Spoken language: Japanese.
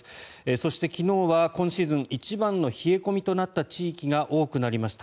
そして、昨日は今シーズン一番の冷え込みとなった地域が多くなりました。